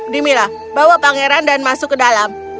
dimi lah bawa pangeran dan masuk ke dalam